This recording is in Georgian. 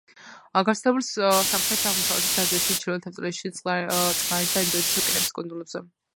გავრცელებულია სამხრეთ-აღმოსავლეთ აზიაში, ჩრდილოეთ ავსტრალიაში, წყნარი და ინდოეთის ოკეანეების კუნძულებზე.